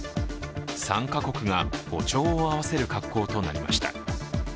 ３か国が歩調を合わせる格好となりました。